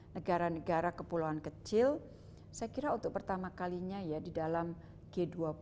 negara negara kepulauan kecil saya kira untuk pertama kalinya ya di dalam g dua puluh